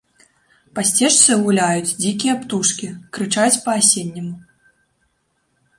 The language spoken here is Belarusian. Па сцежцы гуляюць дзікія птушкі, крычаць па-асенняму.